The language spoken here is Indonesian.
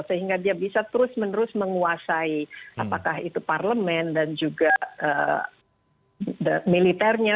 sehingga dia bisa terus menerus menguasai apakah itu parlemen dan juga militernya